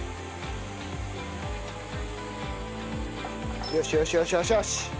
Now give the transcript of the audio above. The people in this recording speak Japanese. よしよしよしよし！